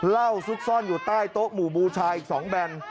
ซุกซ่อนอยู่ใต้โต๊ะหมู่บูชาอีก๒แบน